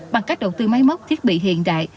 bằng cách đầu tư máy móc thiết bị hiện đại